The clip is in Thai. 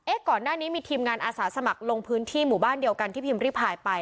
ก่อนหน้านี้มีทีมงานอาสาสมัครลงพื้นที่หมู่บ้านเดียวกันที่พิมพ์ริพายไป